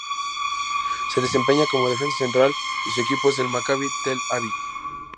Se desempeña como defensa central y su equipo es el Maccabi Tel Aviv.